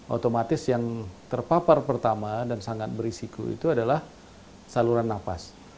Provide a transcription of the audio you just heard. otomatis yang terpapar pertama dan sangat berisiko itu adalah saluran nafas